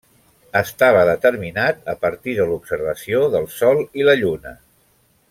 Estava determinat a partir de l'observació del sol i la lluna.